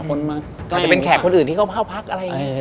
อาจจะเป็นแขกคนอื่นที่เขาเข้าพักอะไรอย่างนี้